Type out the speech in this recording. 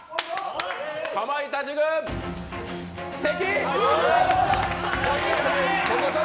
かまいたち軍、関。